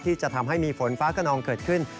ที่จะทำให้มีฝนฟ้าขนองเกิดขึ้น